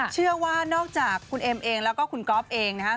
เชื่อว่านอกจากคุณเอ็มเองแล้วก็คุณก๊อฟเองนะฮะ